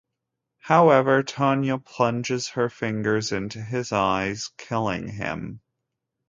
However, Tanya plunges her fingers into his eyes, killing him.